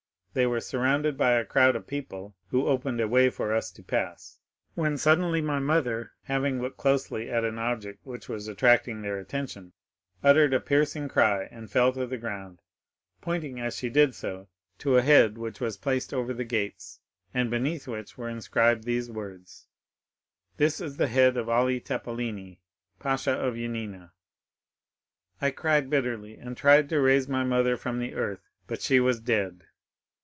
They were surrounded by a crowd of people, who opened a way for us to pass, when suddenly my mother, having looked closely at an object which was attracting their attention, uttered a piercing cry and fell to the ground, pointing as she did so to a head which was placed over the gates, and beneath which were inscribed these words: 'This is the head of Ali Tepelini, Pasha of Yanina.' "I cried bitterly, and tried to raise my mother from the earth, but she was dead!